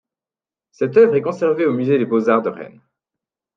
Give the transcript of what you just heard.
Cette œuvre est conservée au musée des beaux-arts de Rennes.